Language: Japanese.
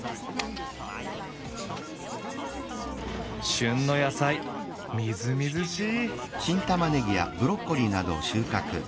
旬の野菜みずみずしい！